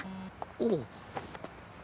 おう。